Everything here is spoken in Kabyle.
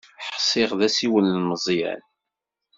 Ḥsiɣ d asiwel n Meẓyan.